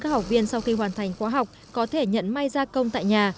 các học viên sau khi hoàn thành khóa học có thể nhận may gia công tại nhà